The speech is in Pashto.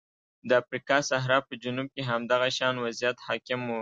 د افریقا صحرا په جنوب کې هم دغه شان وضعیت حاکم و.